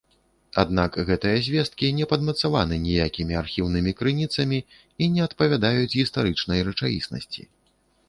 Аднак гэтыя звесткі не падмацаваны ніякімі архіўнымі крыніцамі і не адпавядаюць гістарычнай рэчаіснасці.